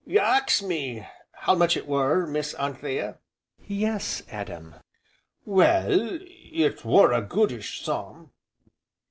"You ax me how much it were, Miss Anthea?" "Yes, Adam." "Well, it were a goodish sum."